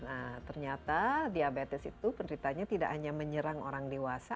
nah ternyata diabetes itu penderitanya tidak hanya menyerang orang dewasa